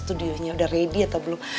udah ready atau belum